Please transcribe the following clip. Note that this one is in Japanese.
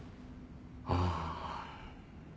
ああ。